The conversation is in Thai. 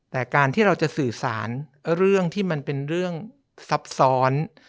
แต่การที่เราจะสื่อสารเรื่องที่มันเป็นเรื่องซับซ้อน